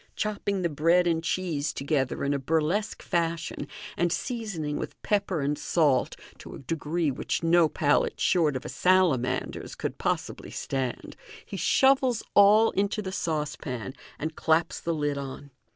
Chopping the bread and cheese together in a burlesque fashion, and seasoning with pepper and salt to a degree which no palate short of a salamander's could possibly stand, he shovels all into the saucepan, and claps the lid on.